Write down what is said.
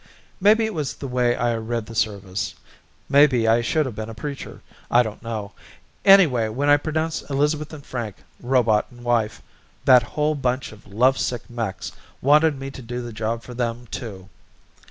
Maybe it was the way I read the service. Maybe I should have been a preacher, I don't know. Anyway, when I pronounced Elizabeth and Frank robot and wife, that whole bunch of lovesick mechs wanted me to do the job for them, too.